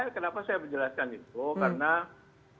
kenapa saya menjelaskan itu